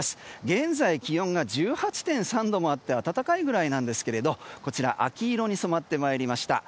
現在、気温が１８．３度もあって暖かいぐらいなんですけども秋色に染まってまいりました